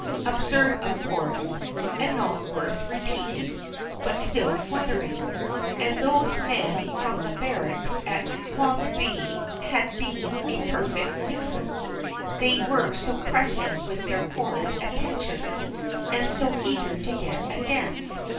absurd of course, and not worth repeating, but still flattering; and those men from the barracks at Clonbree had been a perfect nuisance, they were so pressing with their horrid attentions, and so eager to get a dance.